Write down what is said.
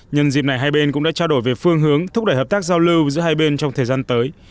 nhân dịp này hai bên cũng đã trao đổi về phương hướng thúc đẩy hợp tác giao lưu giữa hai bên trong thời gian tới